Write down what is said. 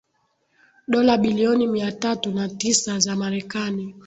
dola bilioni mia tatu na tisa za marekani